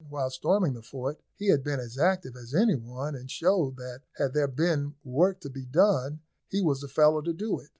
While storming the fort, he had been as active as any one, and showed that had there been work to be done he was the fellow to do it.